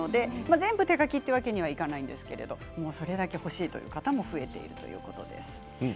全部手描きというわけにはいかないんですけれど欲しいという方が増えているということです。